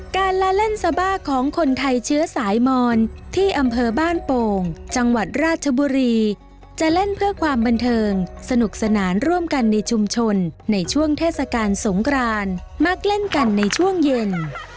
ลาเล่นซาบ้าของคนไทยเชื้อสายมอนที่อำเภอบ้านโป่งจังหวัดราชบุรีจะเล่นเพื่อความบันเทิงสนุกสนานร่วมกันในชุมชนในช่วงเทศกาลสงครานมักเล่นกันในช่วงเย็น